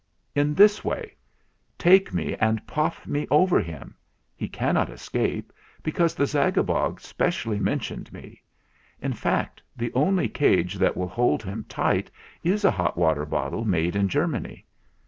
"In this way. Take me and pop me over him ! He cannot escape ; because the Zagabog specially mentioned me. In fact, the only cage that will hold him tight is a hot water bottle made in Germany.